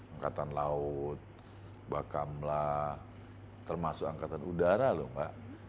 angkatan laut bakamla termasuk angkatan udara loh mbak